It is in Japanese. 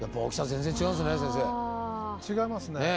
違いますね。